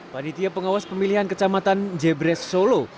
panitia pengawas pemilihan kecamatan jebres solo